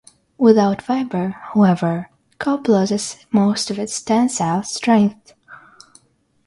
Without fiber, however, cob loses most of its tensile strength.